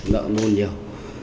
nợ môn nhiều